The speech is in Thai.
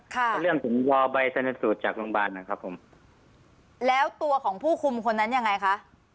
ค่ะเรื่องของจากโรงพยาบาลหน่อยครับผมแล้วตัวของผู้คุมคนนั้นยังไงคะ